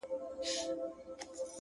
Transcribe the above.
زما يتيـمي ارواح تـه غـــــوښـتې خـو،